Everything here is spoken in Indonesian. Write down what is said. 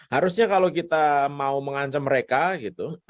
harusnya kalau kita mau mengancam mereka gitu